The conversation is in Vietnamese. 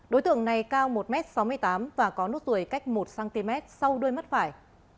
đối tượng này cao một m sáu mươi tám và có nốt ruồi cách một cm sau đuôi mắt phải